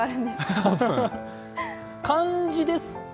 漢字ですか？